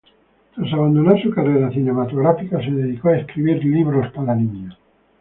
Tras abandonar su carrera cinematográfica se dedicó a escribir libros para niños.